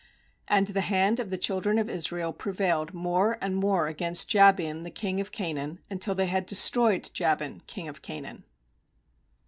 MAnd the hand of the children of Is rael prevailed more and more against Jabin the king of Canaan, until they had destroyed Jabm king of Canaan.